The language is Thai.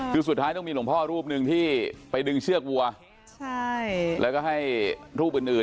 คือสุดท้ายต้องมีหลวงพ่อรูปหนึ่งที่ไปดึงเชือกวัวแล้วก็ให้รูปอื่นอื่น